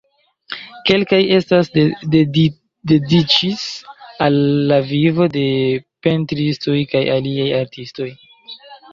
Kelkaj estas dediĉis al la vivo de pentristoj kaj aliaj artistoj.